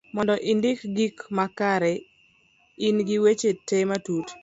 mondo indik gik makare,i ng'i weche te matut